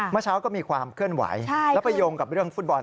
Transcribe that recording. เมื่อเช้าก็มีความเคลื่อนไหวแล้วไปโยงกับเรื่องฟุตบอล